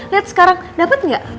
lihat sekarang dapet gak